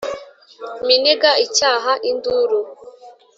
Minega icyaha induru